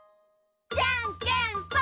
じゃんけんぽん！